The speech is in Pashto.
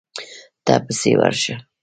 ته پسې ورشه.